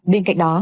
bên cạnh đó